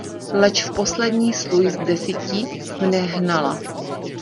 Leč v poslední sluj z desíti mne hnala.